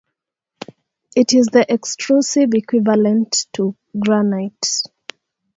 It is the extrusive equivalent to granite.